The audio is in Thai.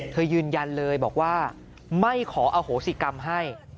ยืนยันเลยบอกว่าไม่ขออโหสิกรรมให้